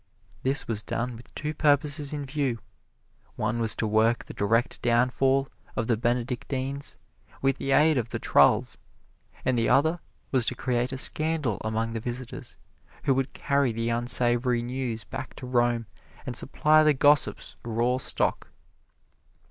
This was done with two purposes in view; one was to work the direct downfall of the Benedictines, with the aid of the trulls, and the other was to create a scandal among the visitors, who would carry the unsavory news back to Rome and supply the gossips raw stock.